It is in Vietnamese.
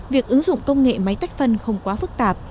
việc ứng dụng công nghệ máy tách phân không quá phức tạp